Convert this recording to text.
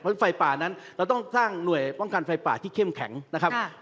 เพราะไฟป่านั้นเราต้องสร้างหน่วยป้องกันไฟป่าที่เข้มแข็งนะครับ